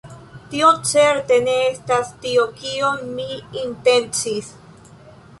Tio certe ne estas tio kion mi intencis!